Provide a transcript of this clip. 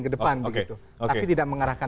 kedepan begitu tapi tidak mengarahkan